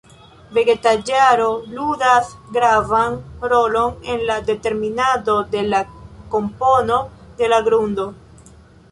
Vegetaĵaro ludas gravan rolon en la determinado de la kompono de la grundo.